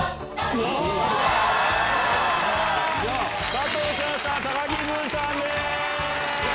加藤茶さん高木ブーさんです！